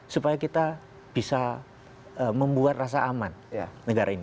supaya kita bisa membuat rasa aman negara ini